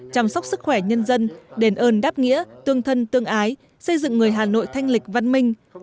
chăm sóc sức khỏe nhân dân đền ơn đáp nghĩa tương thân tương ái xây dựng người hà nội thanh lịch văn minh